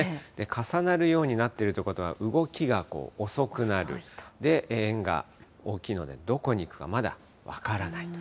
重なるようになっているということは、動きが遅くなる、で、円が大きいので、どこに行くか、まだ分からないと。